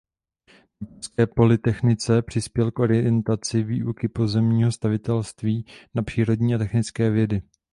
Na pražské polytechnice přispěl k orientaci výuky pozemního stavitelství na přírodní a technické vědy.